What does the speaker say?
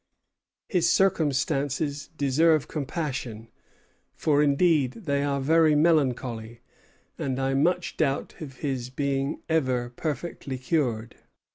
His circumstances deserve compassion, for indeed they are very melancholy, and I much doubt of his being ever perfectly cured."